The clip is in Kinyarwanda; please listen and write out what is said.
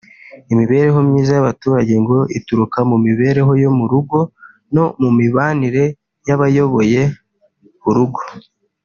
Imibereho myiza y’abaturage ngo ituruka mu mibereho yo mu rugo no mu mibanire y’abayoboye urugo